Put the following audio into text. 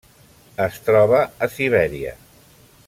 Es troba a Sibèria.